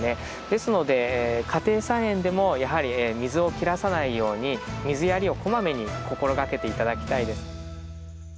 ですので家庭菜園でもやはり水を切らさないように水やりをこまめに心がけて頂きたいです。